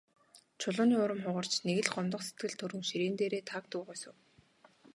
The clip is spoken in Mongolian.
Чулууны урам хугарч, нэг л гомдох сэтгэл төрөн ширээн дээрээ таг дуугүй суув.